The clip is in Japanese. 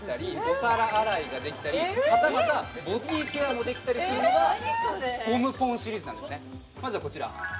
お皿洗いができたりはたまたボディケアもできたりするのがまずはこちら消しゴムですね